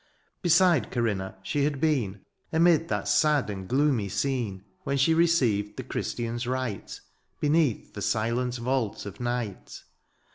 Beside Corinna she had been Amid that sad and gloomy scene^ When she received the Christianas rite. Beneath the silent vault of night.